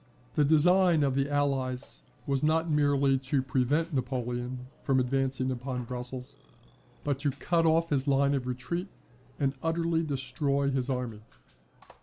The design of the Allies was not merely to prevent Napoleon from advancing upon Brussels, but to cut off his line of retreat and utterly destroy his army.